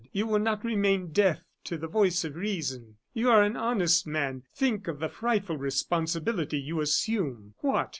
"You will not remain deaf to the voice of reason. You are an honest man; think of the frightful responsibility you assume! What!